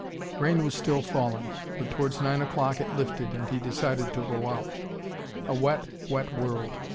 Rain was still falling. But towards nine o'clock it lifted, and he decided to go out. A wet, wet world.